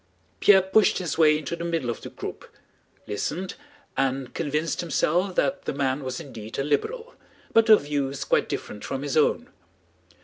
Pierre pushed his way into the middle of the group, listened, and convinced himself that the man was indeed a liberal, but of views quite different from his own.